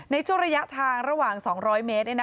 ในช่วงระยะทางระหว่าง๒๐๐เมตร